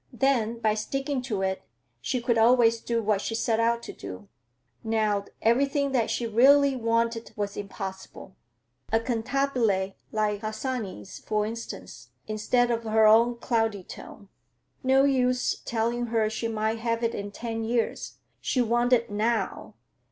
Then, by sticking to it, she could always do what she set out to do. Now, everything that she really wanted was impossible; a cantabile like Harsanyi's, for instance, instead of her own cloudy tone. No use telling her she might have it in ten years. She wanted it now.